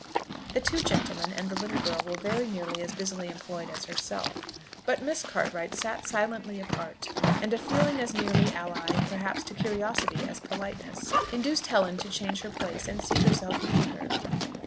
The two gentlemen and the little girl were very nearly as busily employed as herself; but Miss Cartwright sat silently apart, and a feeling as nearly allied perhaps to curiosity as politeness, induced Helen to change her place and seat herself near her.